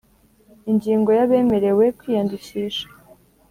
Ingingo ya Abemerewe kwiyandikisha